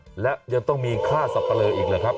เบื้องต้น๑๕๐๐๐และยังต้องมีค่าสับประโลยีอีกนะครับ